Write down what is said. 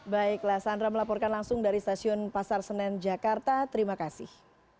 baiklah sandra melaporkan langsung dari stasiun pasar senen jakarta terima kasih